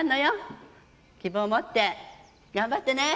希望を持って頑張ってね。